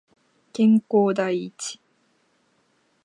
健康第一